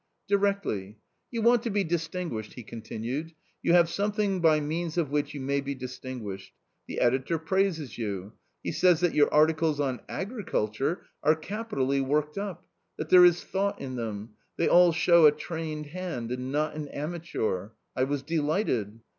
" Directly. You want to be distinguished ?" he con tinued, " you have something by means of which you may be distinguished. The editor praises you; he says that your articles on agriculture are capitally worked up ; that there is thought in them — they all show a trained hand, and not an amateur. I was delighted.